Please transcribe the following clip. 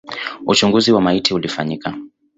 Uchunguzi wa maiti ulifanyika.